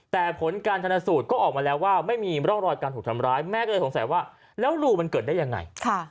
แต่ผลการชนสูตรก็ออกมาแล้วว่าไม่มีร่องรอยการถูกทำร้ายแม่ก็เลยสงสัยว่าแล้วรูมันเกิดได้ยังไง